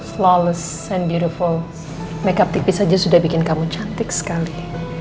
flawless and beautiful make up tipis aja sudah bikin kamu cantik sekali